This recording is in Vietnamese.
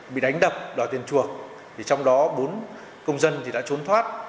bị đánh đập đòi tiền chuộc trong đó bốn công dân thì đã trốn thoát